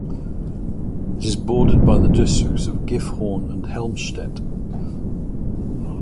It is bordered by the districts of Gifhorn and Helmstedt.